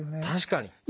確かに。